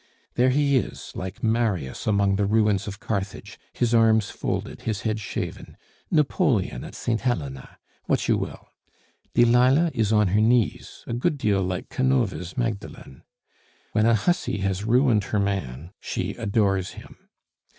There he is, like Marius among the ruins of Carthage, his arms folded, his head shaven Napoleon at Saint Helena what you will! Delilah is on her knees, a good deal like Canova's Magdalen. When a hussy has ruined her man, she adores him.